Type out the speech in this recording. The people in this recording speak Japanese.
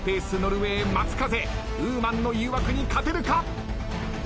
ウーマンの誘惑に勝てるか？